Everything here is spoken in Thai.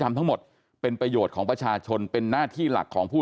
ทำทั้งหมดเป็นประโยชน์ของประชาชนเป็นหน้าที่หลักของผู้